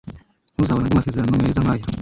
Ntuzabona andi masezerano meza nkaya.